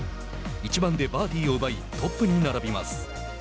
１番でバーディーを奪いトップに並びます。